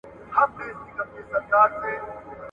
مثبت خلګ د ژوند په لاره کي مرسته کوي.